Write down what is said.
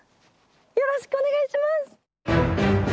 よろしくお願いします！